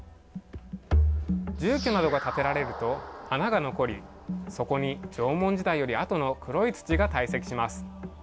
住居などが建てられると穴が残りそこに縄文時代よりあとの黒い土が堆積します。